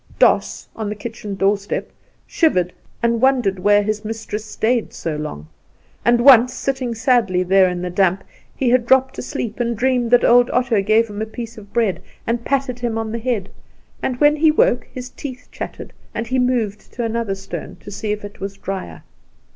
Doss, on the kitchen doorstep, shivered, and wondered where his mistress stayed so long; and once, sitting sadly there in the damp, he had dropped asleep, and dreamed that old Otto gave him a piece of bread, and patted him on the head, and when he woke his teeth chattered, and he moved to another stone to see if it was drier.